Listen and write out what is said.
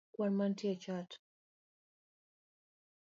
kwan manitie e chat